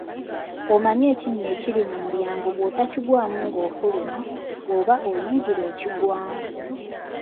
Omanyi ekinnya ekiri mu mulyango bw'otokigwamu ng'ofuluma, bw'oba oyingira okigwamu.